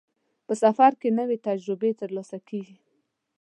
په سفر کې نوې تجربې ترلاسه کېږي.